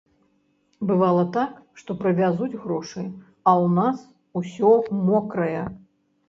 Бывала так, што прывязуць грошы, а ў нас усё мокрае.